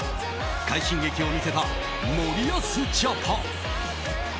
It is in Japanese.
快進撃を見せた森保ジャパン。